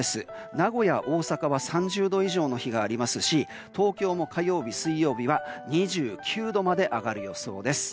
名古屋、大阪は３０度以上の日がありますし東京も火曜日、水曜日は２９度まで上がる予想です。